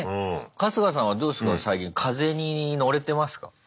春日さんはどうっすか最近風に乗れてますか？